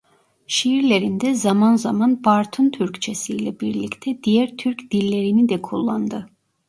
Şiirlerinde zaman zaman Bartın Türkçesiyle birlikte diğer Türk dillerini de kullandı.